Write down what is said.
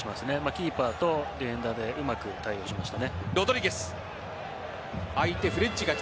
キーパーとディフェンダーでうまく対応しましたね。